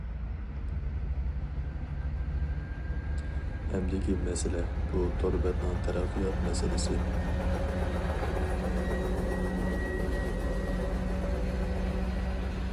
ئەمدىكى مەسىلە بۇ تور بەتنىڭ تەرەققىيات مەسىلىسى!